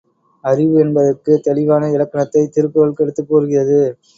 அறிவு என்பதற்குத் தெளிவான இலக்கணத்தைத் திருக்குறள் எடுத்துக் கூறுகிறது.